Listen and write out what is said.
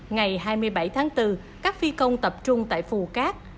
ngày hai mươi bảy tháng bốn các phi công tập trung tại phù cát